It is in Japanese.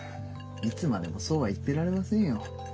いつまでもそうは言ってられませんよ。